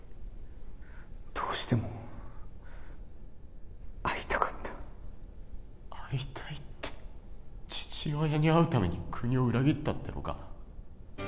どうしても会いたかった会いたいって父親に会うために国を裏切ったっていうのか？